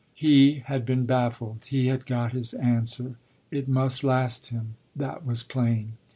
He had been baffled, he had got his answer; it must last him that was plain.